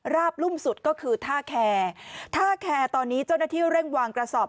รุ่มสุดก็คือท่าแคร์ท่าแคร์ตอนนี้เจ้าหน้าที่เร่งวางกระสอบ